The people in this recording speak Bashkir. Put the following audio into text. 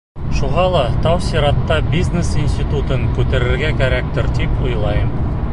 Шуға ла тәү сиратта бизнес институтын күтәрергә кәрәктер, тип уйлайым.